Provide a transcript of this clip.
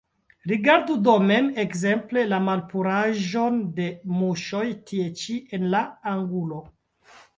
Rigardu do mem ekzemple la malpuraĵon de muŝoj tie ĉi en la angulo.